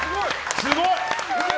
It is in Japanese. すごい。